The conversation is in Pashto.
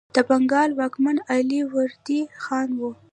د بنګال واکمن علي وردي خان و.